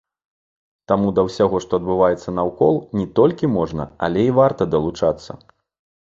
Таму да ўсяго, што адбываецца наўкол, не толькі можна, але і варта далучацца.